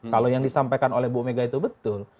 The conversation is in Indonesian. kalau yang disampaikan oleh bu mega itu betul